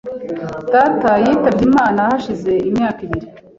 Data yitabye Imana hashize imyaka ibiri .